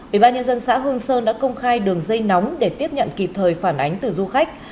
ủy ban nhân dân xã hương sơn đã công khai đường dây nóng để tiếp nhận kịp thời phản ánh từ du khách